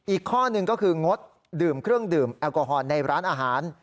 อีกข้อหนึ่งก็คืองดดื่มเครื่องดื่มแอลกอฮอลในร้านอาหาร